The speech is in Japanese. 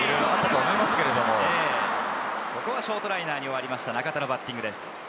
ここはショートライナー、中田のバッティングです。